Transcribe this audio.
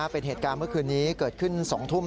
เป็นเหตุการณ์เมื่อคืนนี้เกิดขึ้น๒ทุ่ม